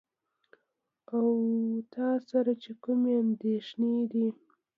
او تاسره چې کومې اندېښنې دي .